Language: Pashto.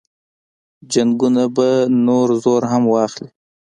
جنګونه به نور زور هم واخلي.